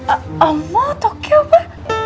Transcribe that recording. amm allah tokio pa